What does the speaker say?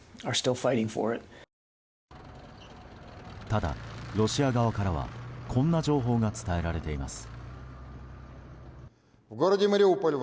ただ、ロシア側からはこんな情報が伝えられています。